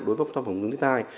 đối với phòng chống thiên tai